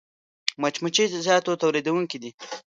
مچمچۍ د شاتو تولیدوونکې ده